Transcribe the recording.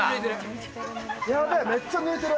やべぇ、めっちゃぬれてる。